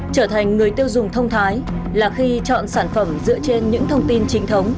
trở thành người tiêu dùng thông thái là khi chọn sản phẩm dựa trên những thông tin chính thống